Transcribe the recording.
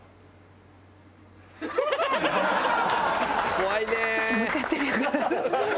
「」「」「怖いね」